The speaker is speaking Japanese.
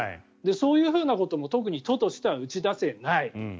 そういうことも特に都としては打ち出せない。